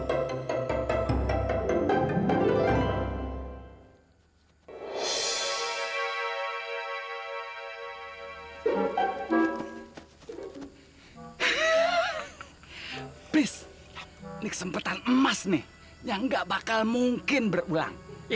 hai bisik sempetan emas nih yang nggak bakal mungkin berulang ya ya